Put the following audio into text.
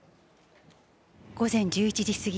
午前１１時過ぎ。